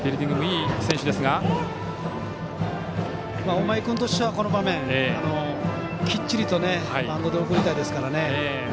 大前君としてはこの場面きっちりとバントで送りたいですからね。